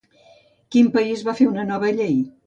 Quin país va fer una nova llei?